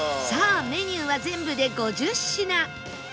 さあメニューは全部で５０品